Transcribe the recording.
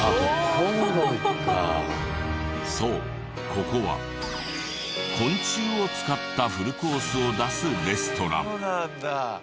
そうここは昆虫を使ったフルコースを出すレストラン。